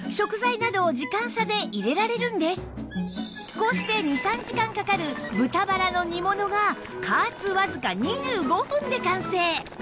こうして２３時間かかる豚バラの煮物が加圧わずか２５分で完成！